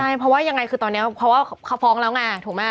ใช่เพราะว่ายังไงคือตอนนี้เพราะว่าเขาฟ้องแล้วไงถูกไหม